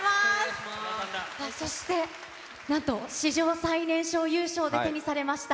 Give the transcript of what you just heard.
そしてなんと、史上最年少優勝で手にされました